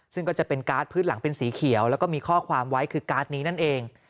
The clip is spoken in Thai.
ซึ่งก็จะเป็นการ์ดพื้นหลังเป็นสีเขียวแล้วก็มีข้อความไว้คือการ์ดนี้นั่นเอง